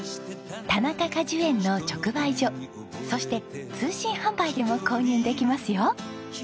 田中果樹園の直売所そして通信販売でも購入できますよ。